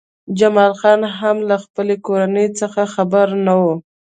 جمال خان هم له خپلې کورنۍ څخه خبر نه و